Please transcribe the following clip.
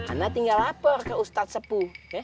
ana tinggal lapar ke ustadz sepu